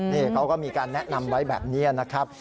นี่เขาก็มีการแนะนำไว้แบบนี้นะครับ